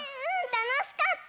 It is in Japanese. たのしかった！